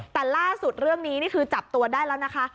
แต่ล่าสุดเรื่องนี้นี่คือจับตัวได้แล้วนะคะ